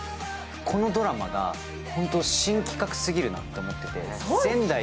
このドラマが新企画すぎるなと思ってて。